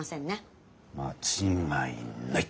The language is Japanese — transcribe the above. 間違いない。